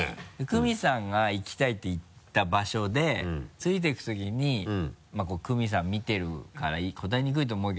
クミさんが行きたいって言った場所で付いていく時にこれクミさん見てるから答えにくいと思うけど。